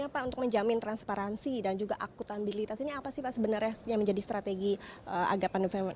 pak untuk menjamin transparansi dan juga akutabilitas ini apa sih pak sebenarnya yang menjadi strategi agar pandemi